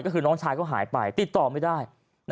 ก็คือน้องชายก็หายไปติดต่อไม่ได้